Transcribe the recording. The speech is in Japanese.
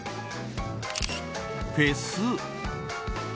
フェス。